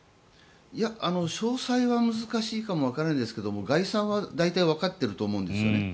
いや、詳細は難しいかもわからないですが概算は大体わかっていると思うんですよね。